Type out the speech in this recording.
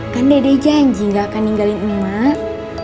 kan dede janji gak akan tinggalin emak